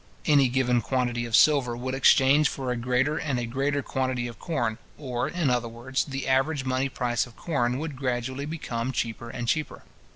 Any given quantity of silver would exchange for a greater and a greater quantity of corn; or, in other words, the average money price of corn would gradually become cheaper and cheaper.